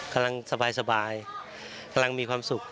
กำลังสบายกำลังมีความสุข